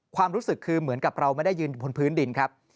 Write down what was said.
ความรู้สึกคือเหมือนกับเราไม่ได้ยืนอยู่บนพื้นดินครับ